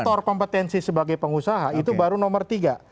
faktor kompetensi sebagai pengusaha itu baru nomor tiga